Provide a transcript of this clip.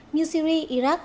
như syria iraq